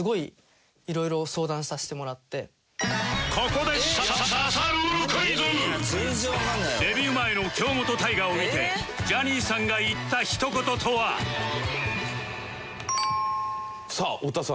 ここでデビュー前の京本大我を見てジャニーさんが言ったひと言とは？さあ太田さん。